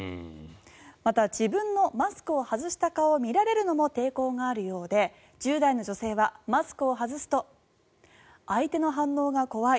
また、自分のマスクを外した顔を見られるのも抵抗があるようで１０代の女性はマスクを外すと相手の反応が怖い。